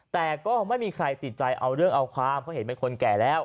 แต่ก็ไม่มีใครติดใจเอาเรื่องเอาความเพราะเห็นเป็นคนแก่แล้ว